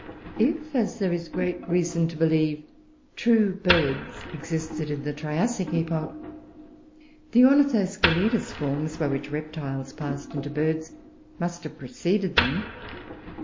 If, as there is great reason to believe, true Birds existed in the Triassic epoch, the ornithoscelidous forms by which Reptiles passed into Birds must have preceded them.